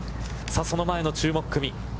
その前の注目組。